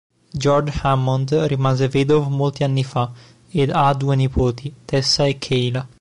George Hammond rimase vedovo molti anni fa ed ha due nipoti, Tessa e Kayla.